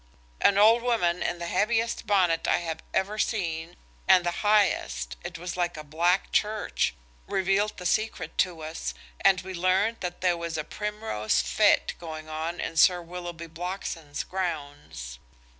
An old woman in the heaviest bonnet I have ever seen and the highest–it was like a black church–revealed the secret to us, and we learned that there was a Primrose fête going on in Sir Willoughby Blockson's grounds.